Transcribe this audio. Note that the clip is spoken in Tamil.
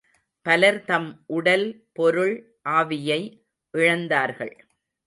பலர் தம் உடல், பொருள், ஆவியை இழந்தார்கள்.